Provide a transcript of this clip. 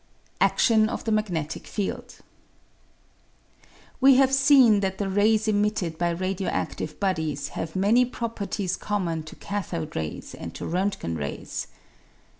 Action of the Magnetic Field. We have seen that the rays emitted by radio adtive bodies have many properties common to cathode rays and to R'mtgen rays.